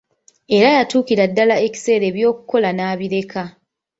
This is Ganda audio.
Era yatuukira ddala ekiseera eby'okukola n'abireka.